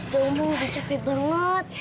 domo udah capek banget